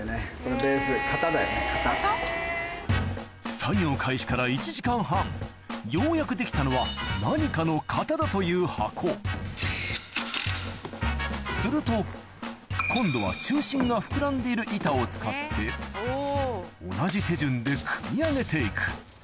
作業開始から１時間半ようやくできたのは何かの型だという箱すると今度は中心が膨らんでいる板を使って同じ手順で組み上げていく